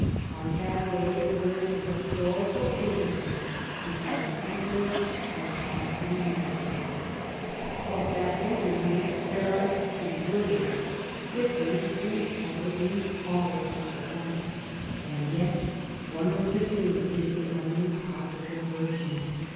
On that day occurred the historical interview between the Emperor and the Austrian Minister. Of that interview there are two versions, differinfr from each other in all essential points. And yet, one of the two is the only possible version.